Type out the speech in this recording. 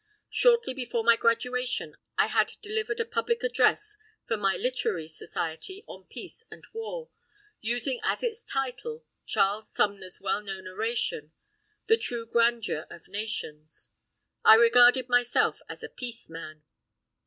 Shortly before my graduation I had delivered a public address for my literary society on peace and war, using as its title Charles Sumner's well known oration "The True Grandeur of Nations." I regarded myself as a peace man.